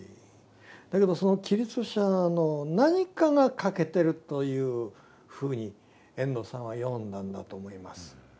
だけどそのキリスト者の何かが欠けてるというふうに遠藤さんは読んだんだと思います。